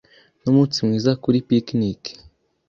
Numunsi mwiza kuri picnic.